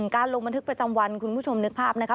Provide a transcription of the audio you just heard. การลงบันทึกประจำวันคุณผู้ชมนึกภาพนะคะ